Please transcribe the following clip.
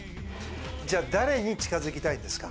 じゃあ誰に近づきたいですか？